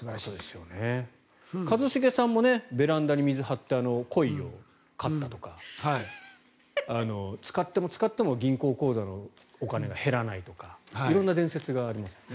一茂さんもベランダに水を張ってコイを飼ったとか使っても使っても銀行口座のお金が減らないとか色んな伝説がありますよね。